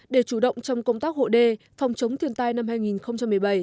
để chủ động trong công tác hộ đê phòng chống thiên tai năm hai nghìn một mươi bảy